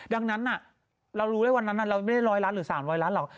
ดังนั้นน่ะเรารู้ได้วันนั้นน่ะเราไม่ได้ร้อยล้านหรือสามร้อยล้านหรอก